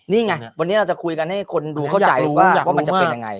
นี่ไงวันนี้เราจะคุยกันให้คนดูเข้าใจว่ามันจะเป็นยังไง